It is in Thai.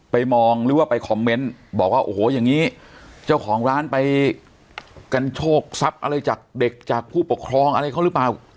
มองหรือว่าไปคอมเมนต์บอกว่าโอ้โหอย่างนี้เจ้าของร้านไปกันโชคทรัพย์อะไรจากเด็กจากผู้ปกครองอะไรเขาหรือเปล่า